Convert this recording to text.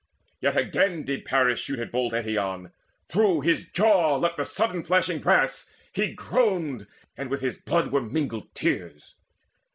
Yet again Did Paris shoot at bold Eetion. Through his jaw leapt the sudden flashing brass: He groaned, and with his blood were mingled tears.